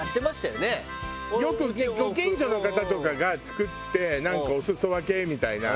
よくご近所の方とかが作ってなんかお裾分けみたいな。